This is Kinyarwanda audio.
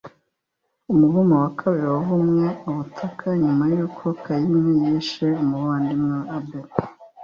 Umuvumo wa kabiri wavumwe ubutaka nyuma y’uko Kayini yishe umuvandimwe we Abeli